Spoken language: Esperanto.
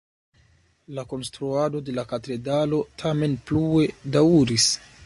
La konstruado de la katedralo tamen plue daŭris.